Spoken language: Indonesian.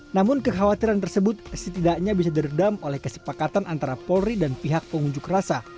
namun kekhawatiran tersebut setidaknya bisa diredam oleh kesepakatan antara polri dan pihak pengunjuk rasa